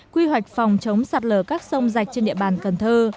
quy hoạch phòng chống sạt lở các sông rạch trên địa bàn cần thơ